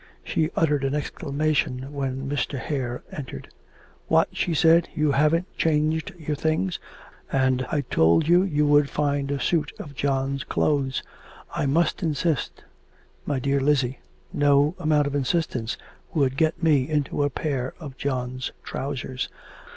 She uttered an exclamation when Mr. Hare entered. 'What,' she said, 'you haven't changed your things, and I told you you would find a suit of John's clothes. I must insist ' 'My dear Lizzie, no amount of insistence would get me into a pair of John's trousers.